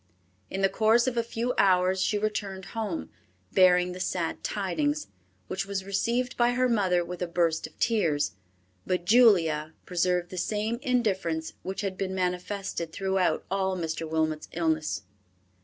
In the course of a few hours she returned home, bearing the sad tidings, which was received by her mother with a burst of tears; but Julia preserved the same indifference which had been manifested throughout all Mr. Wilmot's illness.